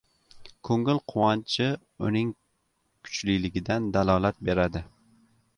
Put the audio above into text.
Ko‘ngil quvonchi uning kuchliligidan dalolat beradi.